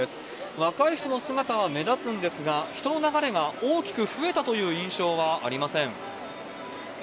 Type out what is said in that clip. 若い人の姿が目立つんですが、人の流れが大きく増えたという印象はありません。